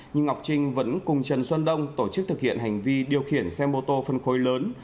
nhưng ngọc trinh vẫn cùng trần xuân đông tổ chức thực hiện hành vi điều khiển xe mô tô phân khối lớn